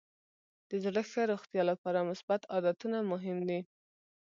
د زړه ښه روغتیا لپاره مثبت عادتونه مهم دي.